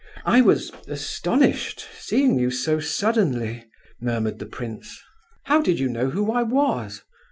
"I was astonished, seeing you so suddenly—" murmured the prince. "How did you know who I was?